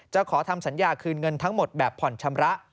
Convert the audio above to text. ขอทำสัญญาคืนเงินทั้งหมดแบบผ่อนชำระ